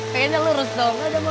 pengennya lurus doang